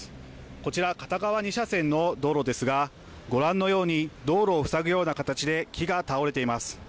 こちら片側２車線の道路ですが、ご覧のように道路を塞ぐような形で木が倒れています。